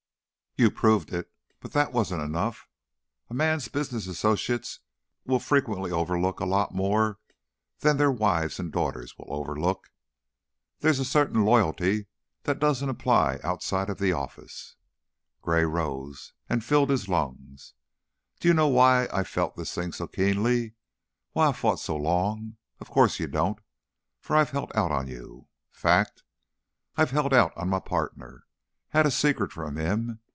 "You proved it. But that wasn't enough. A man's business associates will frequently overlook a lot more than their wives and daughters will overlook. There's a certain loyalty that doesn't apply outside of the office." Gray rose and filled his lungs. "D'you know why I felt this thing so keenly? Why I fought so long? Of course you don't, for I've held out on you. Fact! I've held out on my partner had a secret from him.